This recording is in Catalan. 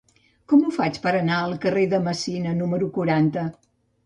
Com ho faig per anar al carrer de Messina número quaranta?